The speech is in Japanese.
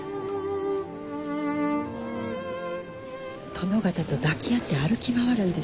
殿方と抱き合って歩き回るんですって。